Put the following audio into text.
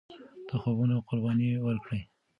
د خوبونو قرباني ورکړئ.